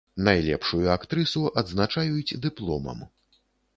Найлепшую актрысу адзначаюць дыпломам.